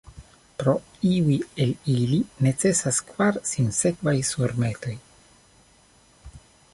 Pro iuj el ili necesas kvar sinsekvaj surmetoj.